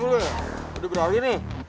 udah menggunakan mate coupé